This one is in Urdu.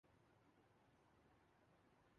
مذہبی خطابت میں ایک سے زیادہ اسالیب رائج رہے ہیں۔